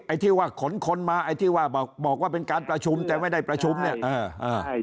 ไอ้ที่ว่าขนคนมาไอ้ที่ว่าบอกบอกว่าเป็นการประชุมแต่ไม่ได้ประชุมเนี่ยอ่าอ่า